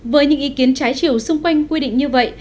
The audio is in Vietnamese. với những ý kiến trái chiều xung quanh quy định như vậy